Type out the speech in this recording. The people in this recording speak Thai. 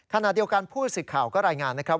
ขณะเดียวกันผู้สื่อข่าวก็รายงานนะครับ